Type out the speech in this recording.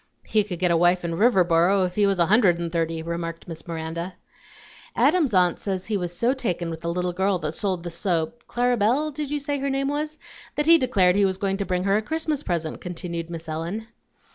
"He could get a wife in Riverboro if he was a hundred and thirty," remarked Miss Miranda. "Adam's aunt says he was so taken with the little girl that sold the soap (Clara Belle, did you say her name was?), that he declared he was going to bring her a Christmas present," continued Miss Ellen.